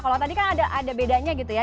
kalau tadi kan ada bedanya gitu ya